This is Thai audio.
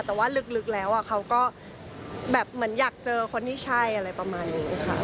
แต่ว่าลึกแล้วเขาก็แบบเหมือนอยากเจอคนที่ใช่อะไรประมาณนี้ค่ะ